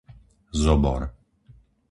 Zobor